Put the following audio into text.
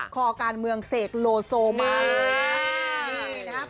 คอการเมืองเสกโลโซมาเลยนะครับ